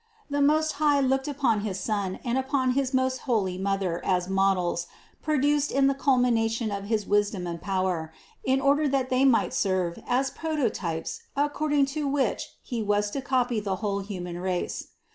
135. The Most High looked upon his Son and upon his most holy Mother as models, produced in the cul mination of his wisdom and power, in order that They 125 126 CITY OF GOD might serve as prototypes according to which He was to copy the whole human race.